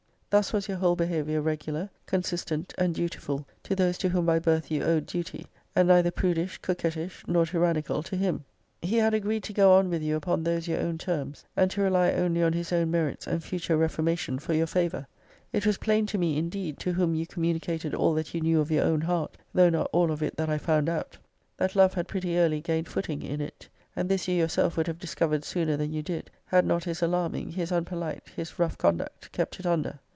Thus was your whole behaviour regular, con sistent, and dutiful to those to whom by birth you owed duty; and neither prudish, coquettish, nor tyrannical to him. >>> He had agreed to go on with you upon those your own terms, and to rely only on his own merits and future reformation for your favour. >>> It was plain to me, indeed, to whom you com municated all that you knew of your own heart, though not all of it that I found out, that love had pretty early gained footing in it. And this you yourself would have discovered sooner than you >>> did, had not his alarming, his unpolite, his rough conduct, kept it under.